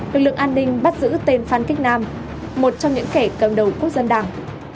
lực lượng an ninh bắt giữ tên phan kích nam một trong những kẻ cầm đầu quốc dân đảng